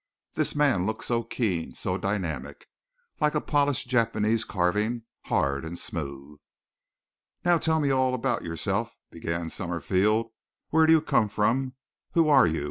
This man looked so keen, so dynamic, like a polished Japanese carving, hard and smooth. "Now tell me all about yourself," began Summerfield. "Where do you come from? Who are you?